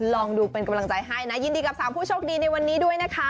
ลองดูเป็นกำลังใจให้นะยินดีกับ๓ผู้โชคดีในวันนี้ด้วยนะคะ